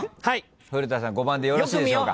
古田さん５番でよろしいでしょうか？